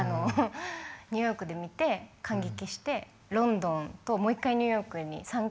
ニューヨークで見て感激してロンドンともう一回ニューヨークに３回。